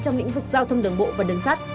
trong lĩnh vực giao thông đường bộ và đường sắt